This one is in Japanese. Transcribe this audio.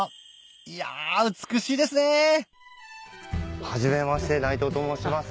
いや美しいですねはじめまして内藤と申します。